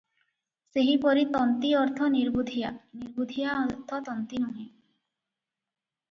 ସେହିପରି ତନ୍ତୀ ଅର୍ଥ ନିର୍ବୁଦ୍ଧିଆ, ନିର୍ବୁଦ୍ଧିଆ ଅର୍ଥ ତନ୍ତୀ ନୁହେଁ ।